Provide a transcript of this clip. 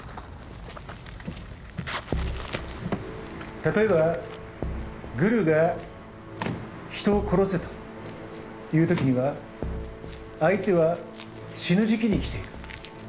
例えばグルが人を殺せと言う時には相手は死ぬ時期に来ている。